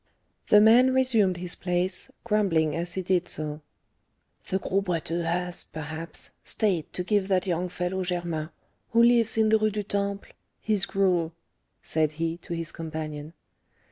The man resumed his place, grumbling as he did so. "The Gros Boiteux has, perhaps, stayed to give that young fellow Germain, who lives in the Rue du Temple, his gruel," said he, to his companion.